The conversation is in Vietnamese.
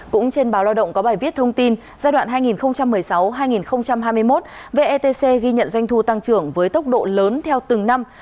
cũng trên báo lao động có bài viết thông tin giai đoạn hai nghìn một mươi sáu hai nghìn hai mươi một vetc ghi nhận doanh thu tăng trưởng với tốc độ lớn theo từng năm